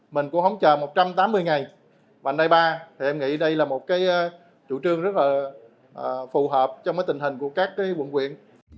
mình cũng không chờ một trăm tám mươi ngày và ngày ba thì em nghĩ đây là một chủ trương rất là phù hợp trong tình hình của các quận quyện